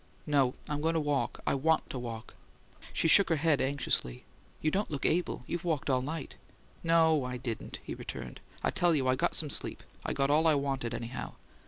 "No, I'm going to walk I WANT to walk." She shook her head anxiously. "You don't look able. You've walked all night." "No, I didn't," he returned. "I tell you I got some sleep. I got all I wanted anyhow."